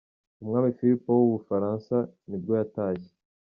Umwami Philipo wa w’ubufaransa nibwo yatashye.